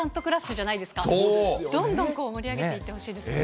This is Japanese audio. どんどん盛り上げていってほしいですね。